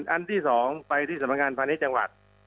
อันที่๒ไปที่สำนักงานพาณิชย์จังหวัด